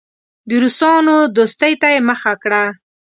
د روسانو دوستۍ ته یې مخه کړه.